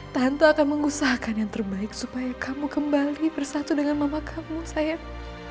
tanto akan mengusahakan yang terbaik supaya kamu kembali bersatu dengan mama kamu sayang